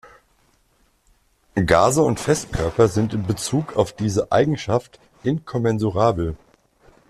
Gase und Festkörper sind in Bezug auf diese Eigenschaft inkommensurabel.